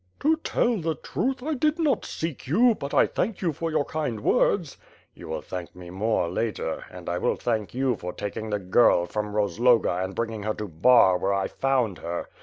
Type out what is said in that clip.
"To tell the truth, I did not seek you, but I thank you for your kind words." "You will thank me more, later, and I will thank you for taking the girl from Eozloga and bringing her to Bar where I found her.